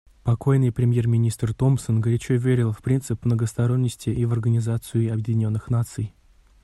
Покойный премьер-министр Томпсон горячо верил в принцип многосторонности и в Организацию Объединенных Наций.